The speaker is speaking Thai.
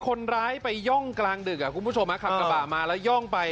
คนร้ายไปย่องกลางดึกคุณผู้ชมขับกระบะมาแล้วย่องไป